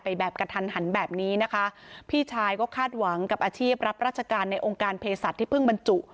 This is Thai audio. แบบกระทันหันแบบนี้นะคะพี่ชายก็คาดหวังกับอาชีพรับราชการในองค์การเพศัตว์ที่เพิ่งบรรจุ